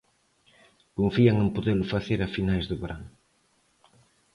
Confían en podelo facer a finais do verán.